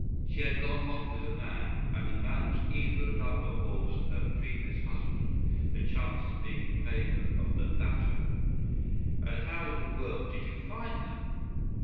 She had gone off with a man, and the man was either a lover or was a previous husband—the chances being in favor of the latter.” “And how in the world did you find them?